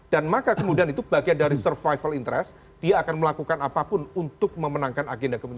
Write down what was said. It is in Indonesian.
dan maka kemudian itu bagian dari survival interest dia akan melakukan apapun untuk memenangkan agenda kemenangan